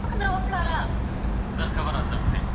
رسول مقبول د خاوند د حقوقو په اړه څه فرمايلي دي؟